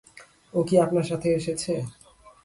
ও কি আপনার সাথে এসেছে?